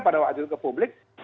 pada waktu itu ke publik